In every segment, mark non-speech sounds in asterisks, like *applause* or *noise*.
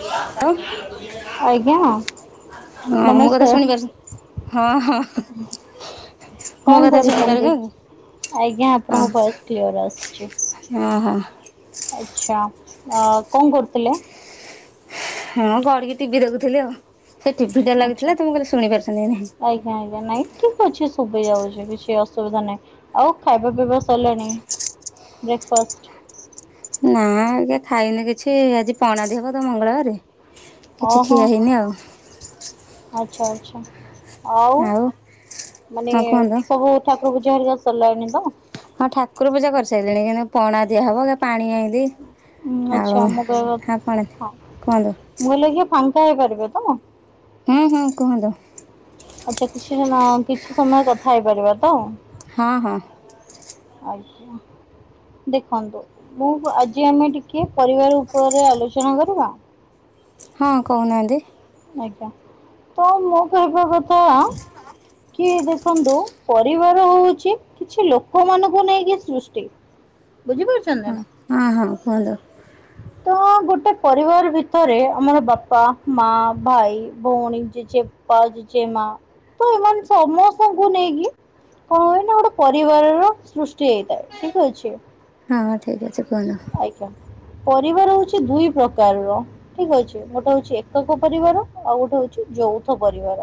*unintelligible* ଆଜ୍ଞା ହଁ ମୁଁ କଥା ନମସ୍କାର ଶୁଣିପାରୁଛନ୍ ହଁ ହଁ। ମୋ କଣ କଥା ଶୁଣିପାରୁଛ କରୁଛନ୍ତି କି? ଆଜ୍ଞା ଆପଣଙ୍କ ଭଏସ୍ କ୍ଲିଅର ଆସୁଛି। ଅ ହୋ। ଆଛା ଆ କଣ କରୁଥିଲେ? ହଁ ପଡ଼ିକି ଟିଭି ଦେଖୁଥିଲି ଆଉ ସେ ଟିଭି ଟା ଆଚ୍ଛା ଲାଗିଥିଲା ତମକୁ କହିଲେ ଶୁଣି ପାରୁିଛନ୍ତି କି ନାହିଁ। ଆଜ୍ଞା ଆଜ୍ଞା ନାଇଁ। ଠିକ ଅଛି ଶୁଭି ଯାଉଛି କିଛି ଅସୁବିଧା ନାହିଁ ଆଉ ଖାଇବା ପିଇବା ସରିଲାଣି? ବ୍ରେକଫାଷ୍ଟ୍। ନା ଆଜ୍ଞା ଖାଇନି କିଛି ଆଜି ପଣା ଦିଆ ହବ ତ ମଙ୍ଗଳବାରେ। କିଛି ଓହୋ ଖିଆ ହେଇନି ଆଉ। ଆଚ୍ଛା ଆଚ୍ଛା। ଆଉ ମାନେ ହଁ କୁହନ୍ତୁ ସବୁ ଠାକୁର ପୂଜା ହେରିକା ସରିଲାଣି ତ? ହଁ ଠାକୁର ପୂଜା କରିସାରିଲିଣି ଏଇକିଣା ପଣା ଦିଆହବ କି ପାଣି ଆଇଁଲି। ଉଁ, ତାଉ ଆଚ୍ଛା ମୁଁ କହିବା ଆପଣେ ହଁ କୁହନ୍ତୁ। ମୁଁ କହିଲି ଆଜ୍ଞା ଫାଙ୍କା ହେଇପାରିବେ ତ? ହୁଁ ହୁଁ କୁହନ୍ତୁ। ଆଛା, କିଛି ସମୟ, କିଛି ସମୟ କଥା ହେଇପାରିବା ତ? ହଁ, ହଁ। ଆଜ୍ଞା। ଦେଖନ୍ତୁ, ମୁଁ ଆଜି ଆମେ ଟିକେ ପରିବାର ଉପରେ ଆଲୋଚନା କରିବା? ହଁ, କହୁନାହାଁନ୍ତି। ଆଜ୍ଞା, ତ ମୁଁ କହିବା କଥା-ଆ କି ଦେଖନ୍ତୁ ପରିବାର ହଉଛି, କିଛି ଲୋକମାନଙ୍କୁ ନେଇକି ସୃଷ୍ଟି। ବୁଝିପାରୁଛନ୍ତି ନା? ହଁ, ହଁ କୁହନ୍ତୁ। ତ ଗୋଟେ ପରିବାର ଭିତରେ ଆମର ବାପା, ମା, ଭାଇ, ଭଉଣୀ, ଜେଜେ ପା ଜେଜେ ମା, ତ ଏମାନ ସମସ୍ତଙ୍କୁ ନେଇକି କଣ ହୁଏ ନା? ଗୋଟେ ପରିବାରର ସୃଷ୍ଟି ହେଇଥାଏ। ଠିକ୍ ଅଛି। ହଁ, ହଁ ଠିକ୍ ଅଛି କୁହନ୍ତୁ। ଆଜ୍ଞା, ପରିବାର ହଉଛି ଦୁଇ ପ୍ରକାରର। ଠିକ୍ ଅଛି ଗୋଟେ ହଉଛି, ଏକକ ପରିବାର। ଆଉ ଗୋଟେ ହଉଛି, ଯୌଥ ପରିବାର।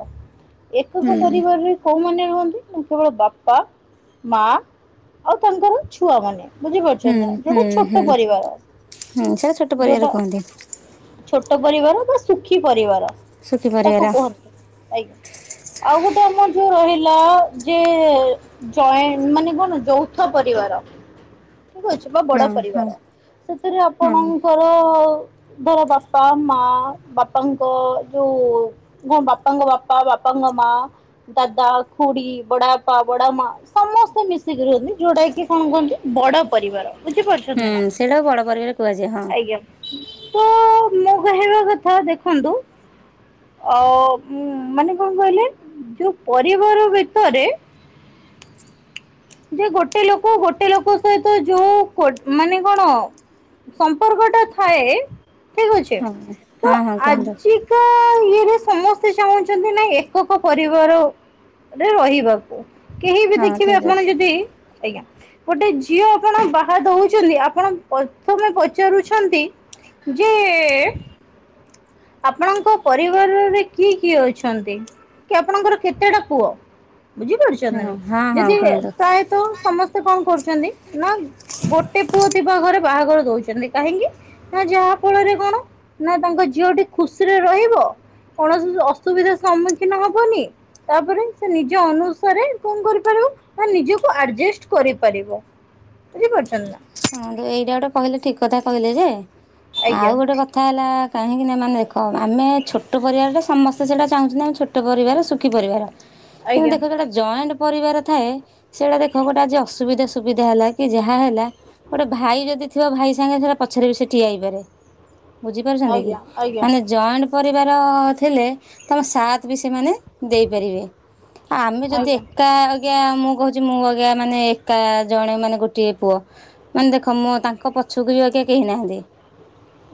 ଏକକ ହୁଁ। ପରିବାରରେ କୋଉମାନେ ରୁହନ୍ତି ନା, କେବଳ ବାପା, ମା, ଆଉ ତାଙ୍କର ଛୁଆମାନେ? ବୁଝିପାରୁଛ ହୁଁ ନା, ହୁଁ ଯୋଉଟା ଛୋଟ ହୁଁ, ପରିବାର। ହୁଁ ସେଟା ଛୋଟ ଯୋଉଟା ପରିବାରକୁ କୁହନ୍ତି। ଛୋଟ ପରିବାର ବା ସୁଖୀ ପରିବାର ସୁଖୀ ପରିବାର। ତାକୁ କୁହନ୍ତି, ଆଜ୍ଞା। ଆଉ ଗୋଟେ ଆମର ଯୋଉ ରହିଲା ଯେ-ଏ ଯଏ ମାନେ, କଣ ଯୌଥ ପରିବାର। ଠିକ୍ ଅଛି। ଏକ ହଁ ବଡ ହଁ ପରିବାର। ସେଥିରେ ହୁଁ ଆପଣଙ୍କର-ଅ ଧର ବାପା, ମା, ବାପାଙ୍କ ଯୋଉ, ହଁ, ବାପାଙ୍କ ବାପା, ବାପଙ୍କ ମାଁ ଦାଦା, ଖୁଡି, ବଡାପା, ବଡ ମା ସମସ୍ତେ ମିଶିକି ରୁହନ୍ତି। ଯୋଉଟା କି କଣ କୁହନ୍ତି? ବଡ ପରିବାର ବୁଝିପାରୁଛନ୍ତି ନା! ହୁଁ ସେଇଟାକୁ ବଡ ପରିବାର କୁହାଯାଏ ହଁ। ଆଜ୍ଞା। ତ-ଅ ମୋ କହିବା କଥା ଦେଖନ୍ତୁ। ଅ-ଅ ମାନେ କଣ କହିଲେ? ଯୋଉ ପରିବାର ଭିତରେ ଯେ ଗୋଟେ ଲୋକ, ଗୋଟେ ଲୋକ ସହିତ ଯୋଉ, ଗୋ ମାନେ କଣ? ସମ୍ପର୍କ ଟା ଥାଏ। ଠିକ୍ ଅଛି ହଁ ତ, ହଁ ହଁ ଆଜି *inaudible* ସମସ୍ତେ ଚାହୁଁଛନ୍ତି ନାଇଁ, ଏକକ ପରିବାରରେ ରହିବାକୁ କେହି ବି ହଁ ଦେଖିବେ? ଠିକ୍ ଆପଣ ଅଛି। ଯଦି, ଆଜ୍ଞା ଗୋଟେ ଝିଅ ଆପଣ ବାହା ଦଉଛନ୍ତି, ଆପଣ ପ୍ରଥମେ ପଚାରୁଛନ୍ତି? ଯେ-ଏ ଆପଣଙ୍କ ପରିବାରରେ କିଏ କିଏ ଅଛନ୍ତି? କି ଆପଣଙ୍କର କେତେଟା ପୁଅ? ବୁଝିପାରୁଛନ୍ତି ହଁ ନା? ହଁ ହଁ ଯଦି କୁହନ୍ତୁ ପ୍ରାୟତଃ, ସମସ୍ତେ କଣ କରୁଛନ୍ତି? ନା ଗୋଟେ ପୁଅ ଥିବ, ଘରେ ବାହାଘର ଦଉଛନ୍ତି କାହିଁକି? ନା ଯାହା ଫଳରେ କଣ? ନା ତାଙ୍କ ଝିଅଟି ଖୁସିରେ ରହିବ। କୌଣସି ଅସୁବିଧାର ସମ୍ମୁଖୀନ ହବନି। ତା'ପରେ ସେ ନିଜ ଅନୁସାରେ କଣ କରିପାରିବୁ? ନା ନିଜକୁ ଆଡ୍ ଜେଷ୍ଟ କରିପାରିବ। ବୁଝିପାରୁଛନ୍ତି ନା! ହଁନ୍ତୁ, ଏଇଟା ଗୋଟେ କହିଲେ ଠିକ୍ କଥା କହିଲେ ଯେ, ଆଉ ଆଜ୍ଞା ଗୋଟେ କଥ୍ କଥା ହେଲା କାହିଁକିନା ମାନେ ଦେଖ ଆମେ ଛୋଟ ପରିବାରଟେ ସମସ୍ତେ ସେଇଟା ଚାହୁଁଛନ୍ତି ନା, ଆମେ ଛୋଟ ପରିବାର ସୁୁଖୀ ପରିବାର। କିନ୍ତୁ ଆଜ୍ଞା ଦେଖ ଏଟା ଗୋଟେ ଜଏଣ୍ଟ ପରିବାର ଥାଏ ସେଇଟା ଦେଖ ଗୋଟେ ଆଜି ଅସୁବିଧା ସୁବିଧା ହେଲା କି ଯାହା ହେଲା ଗୋଟେ ଭାଇ ଯଦି ଥିବ ଭାଇ ସାଙ୍ଗେ *unintelligible* ପଛରେ ବି ସେ ଠିଆ ହେଇପାରେ। ବୁଝି ପାରୁଛନ୍ତି କି? ଆଜ୍ଞା ଆଜ୍ଞା ମାନେ ଜଏଣ୍ଟ ପରିବାର ଥିଲେ ତୋମ ସାଥ୍ ବି ସେମାନେ ଦେଇପାରିବେ। ଆ, ଆମେ ଯଦି ଆଜ୍ଞା ଏକା ଆ ଜ୍ଞା ମୁଁ କହୁଛି ମୁଁ ଆଜ୍ଞା ମାନେ ଏକା ଜଣେ ମାନେ ଗୋଟିଏ ପୁଅ ମାନେ ଦେଖ ମୋ ତାଙ୍କ ପଛକୁ ବି ଆଉ କେ- କେହି ନାହାନ୍ତି,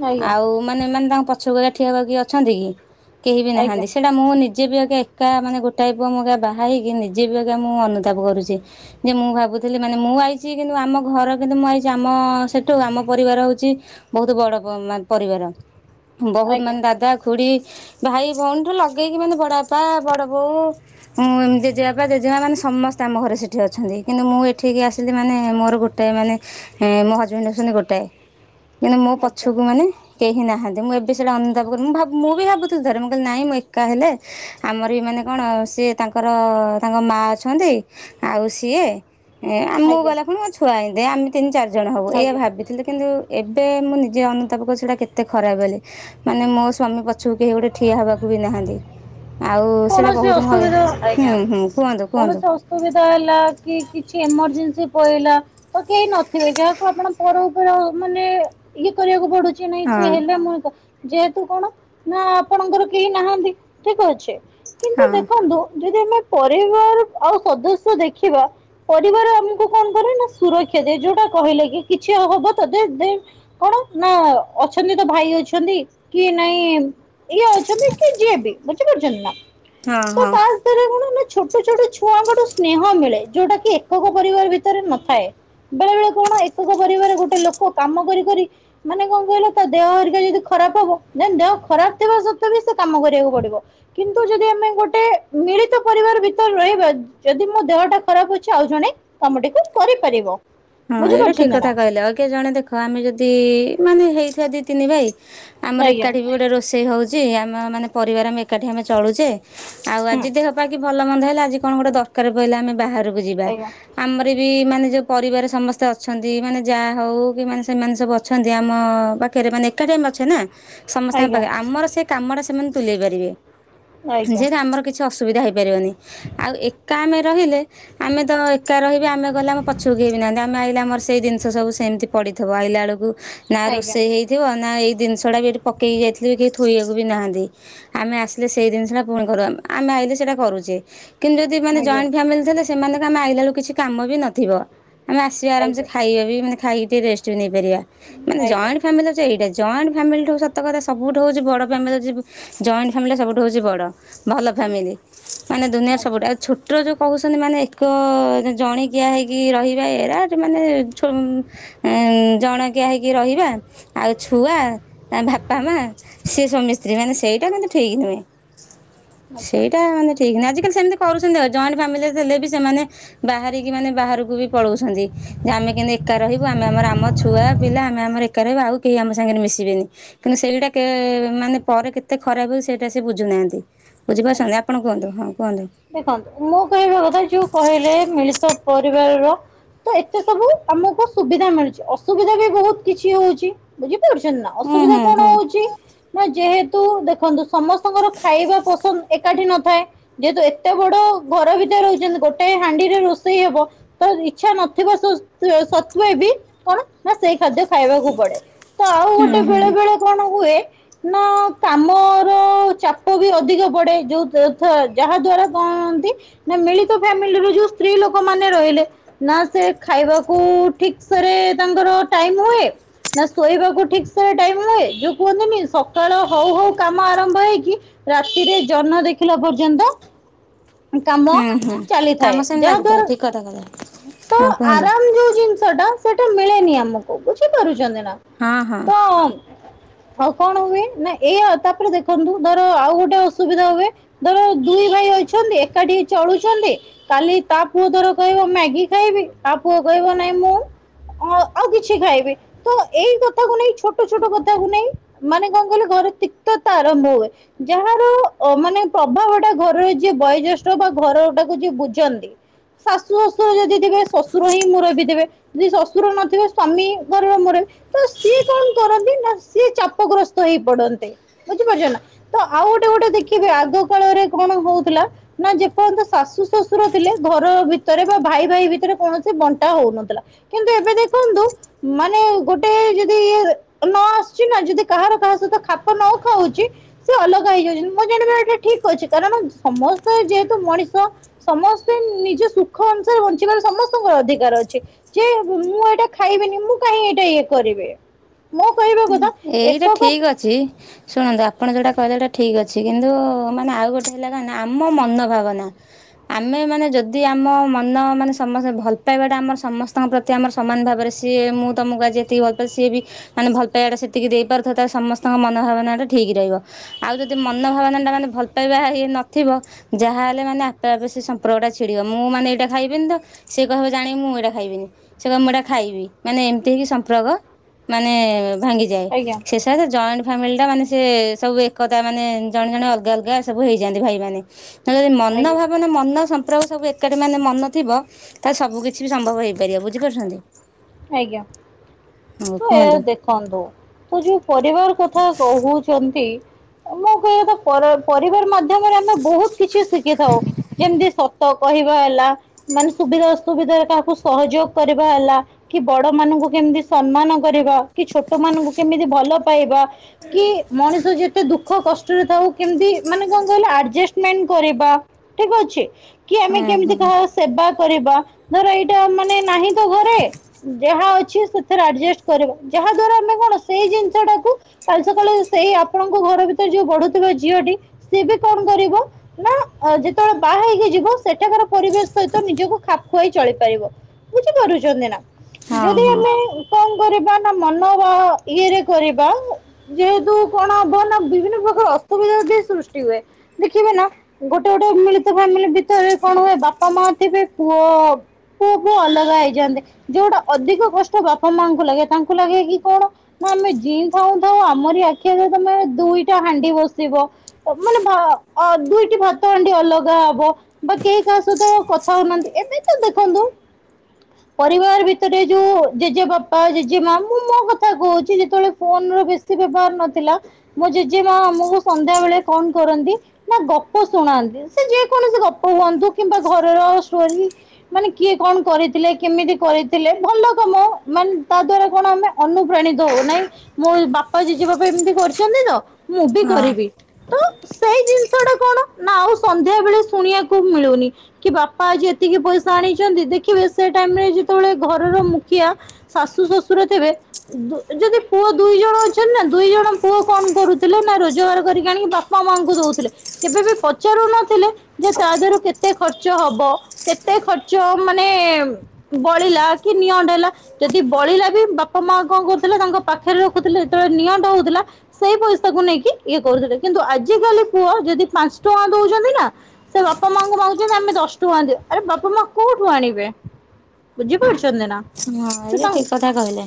ଆଜ୍ଞା ଆଜ୍ଞା ଆଉ ମାନେ ମାନେ ତାଙ୍କ ପଛକୁ ଏକା ଠିଆ ହବାକୁ କିଏ ଅଛନ୍ତି କି? କେହି ବି ଆଜ୍ଞା ନାହାନ୍ତି ସେଇଟା ମୁଁ ନି ଜେ ବି ଆଜ୍ଞା ଏକା ମାନେ ଗୋଟାଏ ପୁଅ ମୁଁ *unintelligible* ବାହା ହେଇକି ନିଜେ ବି ଆଜ୍ଞା ମୁଁ ଅନୁତାପ କରୁଛି। ଯେ ମୁଁ ଭାବୁଥିଲି ମାନେ ମୁଁ ଆଇଛି କିନ୍ତୁ ଆମ ଘର କିନ୍ତୁ ମୁଁ ଆଇଛି ଆମ ସେଠୁ ଆମ ପରିବାର ହଉଛି ବହୁତ ବଡ ପ- ମାନ ପରିବାର। ବହୁତ ଆଜ୍ଞା ମାନେ ଦାଦା ଖୁଡି ଭାଇ ଭଉଣୀଠୁ ଲଗେଇକି ମାନେ ବଡ ବାପା ବଡ ବୋଉ ହଁ ମୋ ଜେଜେବାପା ଜେଜେମା ମାନେ ସମସ୍ତେ ଆମ ଘରେ ସେଠି ଅଛନ୍ତି। କିନ୍ତୁ ମୁଁ ଏଠିକି ଆସିଲି ମାନେ ମୋର ଗୋ ଟେ ମାନେ ଏ, ମୋ ହଜବେଣ୍ଡ ହଉଛନ୍ତି ଗୋଟାଏ ମାନେ ମୋ ପଛକୁ ଆଜ୍ଞା ମାନେ କେହି ନାହାନ୍ତି ମୁଁ ଏବେ ସେଇଟା ଅନୁତାପ କରୁ, ମୁଁ ଭାବ ମୁଁ ବି ଭାବୁଥିଲି ଥରେ ମୁଁ କଇଲି ନାଇଁ ମୁଁ ଏକା ହେଲେ ଆମର ବି ମାନେ କଣ ସିଏ ତାଙ୍କର ତାଙ୍କ ମା ଅଛନ୍ତି ଆଉ ସିଏ ଏ ଆମକୁ ଗଲା ପୁଣି ମୋ ଛୁଆ ଆଇ ଦେ ଆମେ ତିନି ଚାରି ଜଣ ହବ ଏଇଆ ଆଜ୍ଞା ଭାବି ଥିଲି କିନ୍ତୁ ଏବେ ମୁଁ ନିଜେ ଅନୁତାପ କରୁ ସେଟା କେତେ ଖରାପ ବୋଲି। ମାନେ ମୋ ସ୍ଵାମୀ ପଛକୁ କେହି ଗୋଟେ ଠିଆ ହବାକୁ ବି ନାହାନ୍ତି। ଆଉ ସେଇଟା କୌଣସି ବହୁତ ଭୟ ଅସୁବିଧା ହୁଁ, ହୁଁ କୁହନ୍ତୁ କୁହନ୍ତୁ। ସୁବିଧା ହେଲା କି କିଛି ଏମର୍ଜେନ୍ସି ପଡଇଲା। ତ କେହି ନଥିବେ ଯାହାକୁ ଆପଣ ପର ଉପର ମାନେ ଇଏ କରିବାକୁ ପଡୁଚି ନାଇଁ ହଁ ସେ ହେଲେ ମୁଁ ପ ଯେହେତୁ କଣ ନା ଆପଣଙ୍କର କେହି ନାହାନ୍ତି ଠିକ୍ ଅଛି। ହଁ କିନ୍ତୁ ଦେଖନ୍ତୁ ଯଦି ଆମେ ପରିବାର ଆଉ ସଦସ୍ୟ ଦେଖିବା ପରିବାର ଆମକୁ କଣ କରେ ନା ସୁରକ୍ଷା ଦିଏ। ଯୋଉଟା କହିଲେ କି, କିଛି ହ-ହବ ତ ଦେ ଦେ କଣ ନା ଅଛନ୍ତି ତୋ ଭାଇ ଅଛନ୍ତି କି ନାଇଁ ଇଏ ଅଛନ୍ତି କି ଯିଏ ବି ବୁଝିପାରୁଛନ୍ତି ନା? ହଁ, ହଁ। ତାହେଲେ କଣ ନା ଛୋଟ ଛୋଟ ଛୁଆଙ୍କଠୁ ସ୍ନେହ ମିଳେ, ଯୋଉଟା କି ଏକକ ପରିବାର ଭିତରେ ନଥାଏ। ବେଳେ ବେଳେ କଣ ଏକକ ପରିବାର ଗୋଟେ ଲୋକ କାମ କରି କରି ମାନେ କଣ କହିଲ ତା ଦେହ ହରିକା ଯଦି ଖରାପ ହବ ଦେନ୍‌ ଦେହ ଖରାପ ଥିବା ସତ୍ତ୍ୱେ ବି ସେ କାମ କରିବାକୁ ପଡିବ। କିନ୍ତୁ ଯଦି ଆମେ ଗୋଟେ ମିଳିତ ପରିବାର ଭିତରେ ରହିବା ଯଦି ମୋ ଦେହଟା ଖରାପ ଅଛି ଆଉ ଜଣେ କାମଟିକୁ କରିପାରିବ। ହଁ ଏଇଟା ଠିକ ବୁଝିପାରୁଛନ୍ତି କଥା ନା? କହିଲ, କିଏ ଜଣେ ଦେଖ ଆମେ ଯଦି ମାନେ ହେଇଥିବା ଦି ତିନି ଭାଇ ଆମର ଆଜ୍ଞା ଏକାଠି ବି ଗୋଟେ ରୋଷେଇ ହଉଛି, ଆମ ମାନେ ପରିବାର ଆମେ ଏକାଠି ଆମେ ଚଳୁଛେ। ଆଉ ହୁଁ ଆଜି ଦେହ ପା କି ଭଲ ମନ୍ଦ ହେଲା ଆଜି କଣ ଗୋଟେ ଦରକାର ପଇଲା ଆମେ ବାହାରକୁ ଯିବା। ଆଜ୍ଞା ଆମର ବି ମାନେ ଯୋଉ ପରିବାର ସମସ୍ତେ ଅଛନ୍ତି, ମାନେ ଯାଆ ହଉ କି ମାନେ ସେମାନେ ସବୁ ଅଛନ୍ତି, ଆମ ପାଖେରେ ମାନେ ଏକାଠି ଆମେ ଅଛେ ନା। ସମସ୍ତଙ୍କ ଆଜ୍ଞା ପାଖେ, ଆମର ସେ କାମ ଟା ସେମାନେ ତୁଲେଇ ପାରିବେ, ଆଜ୍ଞା ଯେହେତୁ ଆମର କି ଛି ଅସୁବିଧା ହେଇପାରିବନି। ଆଉ ଏକା ଆମେ ରହିଲେ ଆମେ ତ ଏକା ରହିବେ ଆମେ ଗଲେ ଆମ ପଛକୁ କେହି ବିି ନାହାନ୍ତି। ଆ ଆମେ ଆଇଲେ ଆମର ସେଇ ଜିନିଷ ସବୁ ସେମିତି ପଡିଥିବ। ଆଇଲା ବେଳକୁ ନା ଆଜ୍ଞା ରୋଷେଇ ହେଇ ଥିବ, ନା ଏଇ ଜିନିଷ ଟା ବି ଏଠି ପକେଇକି ଯାଇଥିଲ ବି କେହି ଥୋଇବାକୁ ବି ନାହାନ୍ତି। ଆମେ ଆସିଲେ ସେଇ ଜିନିଷଟା ପୁଣି କରୁ ଆ, ଆମେ ଆଇଲେ ସେଇଟା କରୁଚେ। କିନ୍ତୁ ଯଦି ମାନେ ଆଜ୍ଞା ଜଏଣ୍ଟ ଫ୍ୟାମିଲି ଥିଲେ, ସେମାନଙ୍କ ଆମେ ଆଇଲା ବେଳକୁ କିଛି କାମ ବି ନଥିବ। ଆମେ ଆସିବା ଆରାମସେ ଆଜ୍ଞା ଖାଇବା ବି, ମାନେ ଖାଇକି ଟିକେ ରେଷ୍ଟ ବି ନେଇପାରିବା, ମାନେ ଜଏଣ୍ଟ ଫାମିଲି ହଉଛି ଏଇଟା ଜଏଣ୍ଟ ଫ୍ୟାମିଲିଠଉ ସତ କଥା ସବୁଠୁ ହଉଛି ବଡ଼ ଫ୍ୟାମିଲି ହେଉ ଜଏଣ୍ଟ ଫ୍ୟାମିଲିଟା ସବୁଠୁ ହଉଛି ବଡ, ଭଲ ଫ୍ୟାମିଲି। ମାନେ ଆଜ୍ଞା ଦୁନିଆରେ ସବୁଠୁ, ଆଚ୍ଛା ଆଉ ଛୋଟ ଯୋଉ କହୁଛନ୍ତି ମାନେ ଏକ ଜଣିକିିଆ ହେଇକି ରହି ଏରାଟ ମାନେ ଛୋମ୍ ଏଁ ଜଣକିଆ ହେଇକି ରହିବା, ଆଉ ଛୁଆ ତା ଭାପା ମା, ସେ ସ୍ୱାମୀ ସ୍ତ୍ରୀ, ମାନେ ସେଇଟା କିନ୍ତୁ ଠିକ୍ ନୁହେଁ। ଆଚ୍ଛା ସେଇଟା ମାନେ ଠିକ ନୁହେଁ, ଆଜିକାଲି ସେମତି କରୁଛନ୍ତି ଆଉ, ଜଏଣ୍ଟ ଫ୍ୟାମିଲିରେ ହେଲେ ବି ସେମାନେ ବାହାରିକି ମାନେ ବାହାରକୁ ବି ପଳଉଛନ୍ତି। ଯେ ଆମେ କେନ୍ତି ଏକା ରହିବୁ, ଆମେ ଆମର ଆମ ଛୁଆ ପିଲା, ଆମେ ଆମର ଏକା ରହିବା, ଆଉ କେହି ଆମ ସାଙ୍ଗରେ ମିଶିବେନି। କିନ୍ତୁ ସେଇଟା କେ, ମାନେ ପରେ କେତେ ଖରାପ ହେଉଛି, ସେଇଟା ସେ ବୁଝୁନାହାନ୍ତି। ବୁଝିପାରୁଛନ୍ତି, ଆଚ୍ଛା। ଆପଣ କୁହନ୍ତୁ, ହଁ କୁହନ୍ତୁ? ଦେଖନ୍ତୁ ମୋ କହିବା କଥା ଯୋଉ କହିଲେ, ମିଳିତ ପରିବାରର ତ ଏତେ ସବୁ ଆମକୁ ସୁବିଧା ମିଳୁଛି, ଅସୁବିଧା ବି ବହୁତ କିଛି ହଉଚି। ବୁଝିପାରୁଛନ୍ତି ନା, ହୁଁ ଅସୁବିଧା ହୁଁ କଣ ହୁଁ ହଉଚି? ନା ଯେହେତୁ, ଦେଖନ୍ତୁ ସମସ୍ତଙ୍କର ଖାଇବା ପସନ୍ଦ ଏକାଠି ନଥାଏ। ଯେହେତୁ ଏତେ ବଡ ଘର ଭିତରେ ରହିଛନ୍ତି, ଗୋଟାଏ ହାଣ୍ଡିରେ ରୋଷେଇ ହବ ତ ଇଛା ନଥିବା ସତ୍ତ୍ୱ, ସତ୍ତ୍ଵେ ବି, କଣ ନା ସେଇ ଖାଦ୍ୟ ଖାଇବାକୁ ପଡେ, ତ ଆଉ ହୁଁ ଗୋଟେ ବେଳେ ହୁଁ। ବେଳେ କଣ ହୁଏ, ନା କାମର ଚାପ ବି ଅଧିକ ବଡେ। ଯୋଉ ତ ଥ ଯାହା ଦ୍ଵାରା କଁ ହନ୍ତି, ନା ମିଳିତ ଫ୍ୟାମିଲି ର ଯୋଉ ସ୍ତ୍ରୀ ଲୋକ ମାନେ ରହିଲେ ନା ସେ ଖାଇବାକୁ ଠିକ୍ ସେ ରେ ତାଙ୍କର ଟାଇମ ହୁଏ ନା ଶୋଇବାକୁ ଠିକ ସେ ଟାଇମ ହୁଏ, ଯୋଉ କୁହନ୍ତିନି ସକାଳ ହଉ ହଉ କାମ ଆରମ୍ଭ ହେଇକି ରାତିରେ ଜହ୍ନ ଦେଖିଲା ପର୍ଯ୍ୟନ୍ତ କାମ ହୁଁ ହୁଁ କାମ ଚାଲିଥାଏ, ସେମିତି ଲାଗିଥାଏ ଯାହାଦ୍ୱାରା ଠିକ୍ କଥା କହିଲେ ତ ହଁ କୁହନ୍ତୁ ଆରାମ ଯୋଉ ଜିନି ସେଟା, ସେଟା ମିଳେନି ଆମକୁ, ବୁଝିପାରୁଛନ୍ତି ନା? ହଁ ହଁ। ତ ଆଉ କଣ ହୁଏ, ନା ଏଇଆ, ତାପରେ ଦେଖନ୍ତୁ ଧର ଆଉ ଗୋଟେ ଅ ସୁବିଧା ହୁଏ, ଧର ଦୁଇ ଭାଇ ହୋଇଛନ୍ତି, ଏକାଠି ଚଳୁଛନ୍ତି କାଲି ତା ପୁଅ ତର କହିବ ମ୍ୟାଗି ଖାଇବି, ତା ପୁଅ କହିବ ନାଇଁ ମୁଁ ଆଉ, ଆଉ କିଛି ଖାଇବି ତ, ଏଇ କଥାକୁ ନେଇ, ଛୋଟ ଛୋଟ କଥାକୁ ନେଇ, ମାନେ କଣ କହିଲେ, ଘର ତିକ୍ତତା ଆରମ୍ଭ ହୁଏ। ଯାହାର ଅ, ମାନେ ପ୍ରଭାବଟା ଘରର ଯିଏ ବୟୋଜ୍ୟେଷ୍ଠ ବା ଘରଟାକୁ ଯିଏ ବୁଝନ୍ତି ଶାଶୁ ଶଶୁର ଯଦି ଥିବେ, ଶଶୁର ହିଁ ମୁରବି ଥିବେ ଯଦି ଶଶୁର ନଥିବେ, ସ୍ଵାମୀ ଘରର ମୁରବି। ତ ସିଏ କଣ କରନ୍ତି, ନା ସିଏ ଚାପ ଗ୍ରସ୍ତ ହେଇ ପଡ଼ନ୍ତି। ବୁଝିପାରୁଛନ୍ତିନା, ତ ଆଉ ଗୋଟେ ଗୋଟେ ଦେଖିବେ ଆଗ କାଳରେ କଣ ହଉଥିଲା ନା ଯେପର୍ଯ୍ୟନ୍ତ ଶାଶୁ ଶଶୁର ଥିଲେ, ଘର ଭିତରେ ବା ଭାଇ ଭାଇ ଭିତରେ କୌଣସି ବଣ୍ଟା ହଉନଥିଲା। କିନ୍ତୁ ଏବେ ଦେଖନ୍ତୁ, ମାନେ ଗୋଟେ ଯଦି ଇଏ ନ ଆସୁଛି ନା, ଯଦି କାହାର କାହା ସହିତ ଖାପ ନ ଖାଉଛି, ସେ ଅଲଗା ହେଇଯାଉଛନ୍ତି ମୁଁ ଜାଣିବା ଏଇଟା ଠିକ ଅଛି, କାରଣ ସମସ୍ତେ ଯେହେତୁ ମଣିଷ ସମସ୍ତେ ନିଜ ସୁଖ ଅନୁସାରେ ବଞ୍ଚିବାର ସମସ୍ତଙ୍କର ଅଧିକାର ଅଛି। ଯେ ମୁଁ ଏଇଟା ଖାଇବନି ମୁଁ କାହିଁ ଏଇଟା ଇଏ କରିବି ମୋ କହିବା କ ଏଇଟା ଠିକ୍ ଅଛି। ଶୁଣନ୍ତୁ ଆପଣ ଯୋଉଟା କହିଲେ ସେଇଟା ଠିକ୍ ଅଛି କିନ୍ତୁ ମାନେ ଆଉ ଗୋଟେ ହେଲା କଣ ନା ଆମ ମନ ଭାବନା ଆମେ ମାନେ ଯଦି ଆମ ମନ ମାନେ ସମସ୍ତେ ଭଲ ପାଇବାଟା ଆମର ସମସ୍ତଙ୍କ ପ୍ର ତି ଆମର ସମାନ ଭାବରେ ସିଏ ମୁଁ ତମକୁ ଆଜି ଏତିକି ଭଲପାଉଚି ସିଏ ବି ମାନେ ଭଲ ପାଇବାଟା ସେ ସେତିକି ଦେଇପାରୁଥିବ ତାହାଲେ ସମସ୍ତଙ୍କ ମନଭାବନାଟା ଠିକ୍ ରହିବ। ଆଉ ଯଦି ମନ ଭାବନା ଟା ମାନେ ଭଲ ପାଇବା ହେ ହେଇ ନଥିବ ଯାହାହଲେ ମାନେ ଆପେ ଆପେ ସେ ସମ୍ପର୍କଟା ଛିଡିବ ମୁଁ ମାନେ ଏଇଟା ଖାଇବିନି ତ ସେ କହିବ ଜାଣି ମୁଁ ଏଇଟା ଖାଇବିନି ସେ କହିବ ମୁଁ ଏଇଟା ଖାଇବି ମାନେ ଏମିତି ହେଇକି ସମ୍ପ୍ରକ ମାନେ ଭାଙ୍ଗିଯାଏ ଆଜ୍ଞା ସେସ ତା ସେ ଜଏଣ୍ଟ ଫ୍ୟାମିଲି ଟା ମାନେ ସେ ସବୁ ଏକତା ମାନେ ଜଣେ ଜଣେ ଅଲଗା ଅଲଗା ସବୁ ହେଇଯାନ୍ତି ଭାଇ ମାନେ। ଯଦି ମନ ଆଜ୍ଞା ଭାବନା ମନ ସମ୍ପର୍କ ସବୁ ଏ ଏକାଠି ମାନେ ମନ ଥିବ ତାହେଲେ ସବୁ କିଛି ବି ସମ୍ଭବ ହେଇପାରିବ ବୁଝିପାରୁଛନ୍ତି? ଆଜ୍ଞା ହଉ ତୁ ଏ କୁହନ୍ତୁ। ଦେଖନ୍ତୁ ତ ଯୋଉ ପରିବାର କଥା କହୁଛନ୍ତି ମୁଁ କହିବା କଥା ପର ପରିବାର ମା ଧ୍ୟମରେ ଆମେ ବହୁତ କିଛି ଶିଖିଥାଉ ଯେମିତି ସ ତ କହିବା ହେଲା ମାନେ ସୁବିଧା ଅସୁବିଧାରେ କାହାକୁ ସହଯୋଗ କରିବା ହେଲା। କି ବଡ ମାନଙ୍କୁ କେମିତି ସମ୍ମାନ କରିବା କି ଛୋଟ ମାନଙ୍କୁ କେମିତି ଭଲ ପାଇବା। କିଏ ମଣିଷ ଯେ ଯେତେ ଦୁଃଖ କଷ୍ଟରେ ଥାଉ କେମିତି ମାନେ କଣ କହିଲ ଆଡଜଷ୍ଟମେଣ୍ଟ କରିବା ଠିକ୍ ଅଛି। କି ଆମେ ହୁଁ କେମିତି ହୁଁ। କାହାର ସେବା କରିବା ଧର ଏଇଟା ମାନେ ନାହିଁ ତ ଘରେ ଯାହା ଅଛି ସେଥିରେ ଆଡଜେଷ୍ଟ କରିବା ଯାହା ଦ୍ଵାରା ଆମେ କଣ ସେଇ ଜିନିଷ ଟାକୁ କାଲି ସକାଳେ ସେଇ ଆପଣଙ୍କ ଘର ଭିତରେ ଯୋଉ ବଢୁ ଥିବା ଝିଅଟି ସିଏ ବି କଣ କରିବ ନା ଅ ଯେତେବେଳେ ବାହା ହେଇକି ଯିବ ସେଠାକାର ପରିବେଶ ସହିତ ନିଜକୁ ଖାପ ଖୁଆଇ ଚଳିପାରିବ। ବୁଝିପାରୁଛନ୍ତି ନା ହଁ ଯଦି ହଁ। ଆମେ କଣ କରିବା ନା ମନ ର ଇଏରେ କରିବା ଯେହେତୁ କଣ ହବ ନା ବିଭିନ୍ନ ପ୍ରକାର ଅସୁବିଧା ବି ସୃଷ୍ଟି ହୁଏ। ଦେଖିବେ ନା ଗୋଟେ ଗୋଟେ ମିଳିତ ଫ୍ୟାମିଲି ଭିତରେ କଣ ହୁଏ ବାପା ମା ଥିବେ ପୁଅ ପୁଅ ପୁଅ ଅଲଗା ହେଇଯାନ୍ତି ଯୋଉଟା ଅଧିକ କଷ୍ଟ ବାପା ମାଆଙ୍କୁ ଲାଗେ ତାଙ୍କୁ ଲାଗେ କି କଣ ନା ଆମେ ଯିଇଁ ଥାଉଁ ଥାଉଁ ଆମରି ଆଖି ଆଗରେ ତମେ ଦୁଇଟା ହାଣ୍ଡି ବସିବ ଅ ମାନେ ଭା ଅ ଦୁଇଟି ଭାତ ଆଣ୍ଡି ଅଲଗା ହବ। ବା କେହି କାହା ସହିତ କଥା ହଉ ନାହାଁନ୍ତି ଏବେ ତ ଦେଖନ୍ତୁ ପରିବାର ଭିତରେ ଯୋଉ ଜେଜେ ବାପା ଜେଜେ ମୁଁ ମୋ କଥା କହୁଛି ଯେତେବେଳେ ଫୋନ୍ ରେ ବେଶ ବ୍ୟବହାର ନଥିଲା ମୋ ଜେଜେମା ଆମକୁ ସନ୍ଧ୍ୟା ବେଳେ କଣ କରନ୍ତି ନା ଗପ ଶୁଣାନ୍ତି ସେ ଯେ କୌଣସି ଗପ ହୁଅନ୍ତୁ କିମ୍ବା ଘରର ଷ୍ଟୋରି। ମାନେ କିଏ କଣ କରିଥିଲେ କେମିତି କରିଥିଲେ ଭଲ କାମ ମାନେ ତା ଦ୍ଵାରା କଣ ଆମେ ଅନୁପ୍ରାଣିତ ହଉ ନାଇଁ ମୋ ବାପା ଜେଜେବାପା ଏମିତି କରିଛନ୍ତି ତ ମୁଁ ବି ହଁ କରିବି। ତ ସେଇ ଜିନିଷ ଟା କଣ ନା ଆଉ ସନ୍ଧ୍ୟା ବେଳେ ଶୁଣିଆକୁ ମିଳୁନି। କି ବାପା ଆଜି ଏତିକି ପଇସା ଆଣିଛନ୍ତି ଦେଖିବେ ସେ ଟାଇମ୍ ରେ ଯେତେବେଳେ ଘରର ମୁଖିଆ ଶାଶୁ ଶଶୁର ଥିବେ ଦୋ ଯଦି ପୁଅ ଦୁଇ ଜଣ ଅଛନ୍ତି ନା ଦୁଇ ଜଣ ପୁଅ କଣ କରୁଥିଲେ ନା ରୋଜଗାର କରିକି ଆଣିକି ବାପ୍ ବାପା ମାଙ୍କୁ ଦଉଥିଲେ କେବେ ବି ପଚାରୁ ନଥିଲେ ଯେ ତା ଦେହରୁ କେତେ ଖର୍ଚ୍ଚ ହବ। କେତେ ଖର୍ଚ୍ଚ ଅ ମାନେ ବଳିଲା କି ନିଅଣ୍ଟ ହେଲା। ଯଦି ବଳିଲା ବି ବାପା ମା କଂ କରୁଥିଲେ ତାଙ୍କ ପାଖରେ ରଖୁଥିଲେ ଯେତେବେଳେ ନିଅଣ୍ଟ ହଉଥିଲା ସେଇ ପଇସାକୁ ନେଇକି ଇଏ କରୁଥିଲେ କିନ୍ତୁ ଆଜିିକାଲି ପୁଅ ଯଦି ପାଂସ ଟଙ୍କା ଦଉଛନ୍ତି ନା ସେ ବାପା ମାଙ୍କୁ ମାଗୁଛନ୍ତି ଆମେ ଦଶ ଟଙ୍କା ଦେ ଆରେ ବାପା ମା କୋଉଠୁ ଆଣିବେ। ବୁଝି ପାରୁଛନ୍ତି ନା। ହଁ ଏଇ ସେ ଏ ତାଙ୍କ ଠିକ କଥା କହିଲେ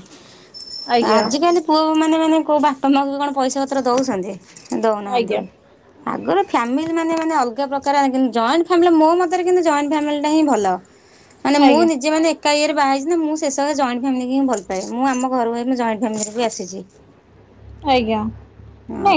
ଆଜ୍ଞା ଆଜିକାଲି ପୁଅ ମାନେ ମାନେ କୋଉ ବାପା ମାଙ୍କୁ କଣ ପଇସା ପତ୍ର ଦଉଛନ୍ତି ଆଜ୍ଞା ଦଉନାହାନ୍ତି। ଆଗର ଫ୍ୟାମିଲି ମାନେ ମାନେ ଅଲଗା ପ୍ରକାର ଆଯେ ଜଏଣ୍ଟ ଫାମିଲି ମୋ ମତରେ କିନ୍ତୁ ଜଏଣ୍ଟ ଫ୍ୟାମିଲିଟା ହିଁ ଭଲ। ମାନେ ମୁଁ ଆଜ୍ଞା ନିଜେ ମାନେ ଏକା ଇଏରେ ବାହାହେଇଛି ନା ମୁଁ ସେ ସେଷରେ ଜଏଣ୍ଟ ଫ୍ୟାମିଲି ହିଁ ଭଲ ପାଏ ମୁଁ ଆମ ଘରୁ ହିଁ ଜଏଣ୍ଟ ଫ୍ୟାମିଲିକୁ ହିଁ ଆସିଚି। ଆଜ୍ଞା। ହଁ। ନାଇଁ